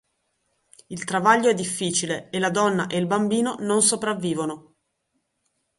Il travaglio è difficile e la donna e il bambino non sopravvivono.